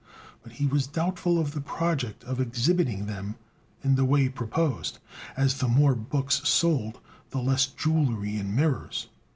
But he was doubtful of the project of exhibiting them in the way proposed, as the more books sold, the less jewelry and mirrors.